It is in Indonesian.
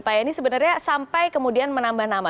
pak yani sebenarnya sampai kemudian menambah nama